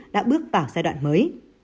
đã bước vào giai đoạn mới